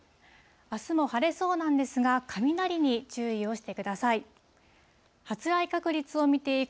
あすも晴れそうなんですが、雷に注意をしてください。